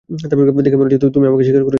দেখে মনে হচ্ছে তুমি আমাকে শিকার করেছ।